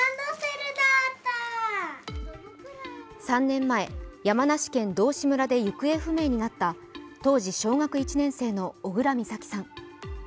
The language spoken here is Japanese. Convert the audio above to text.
３年前、山梨県道志村で行方不明になった当時小学１年生の小倉美咲さん。